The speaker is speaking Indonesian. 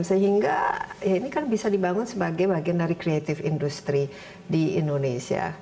sehingga ya ini kan bisa dibangun sebagai bagian dari kreatif industri di indonesia